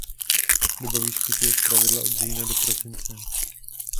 Doba výskytu je zpravidla od října do prosince.